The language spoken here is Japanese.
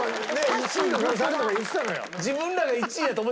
１位の可能性あるとか言ってたのよ。